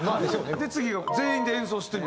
で次が「全員で演奏してみる」。